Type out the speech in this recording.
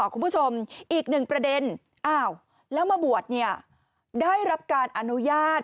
คุณผู้ชมอีกหนึ่งประเด็นอ้าวแล้วมาบวชเนี่ยได้รับการอนุญาต